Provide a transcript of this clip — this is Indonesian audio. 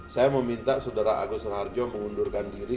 saya meminta saudara agus raharjo mengundurkan diri